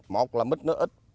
một là mít nó ít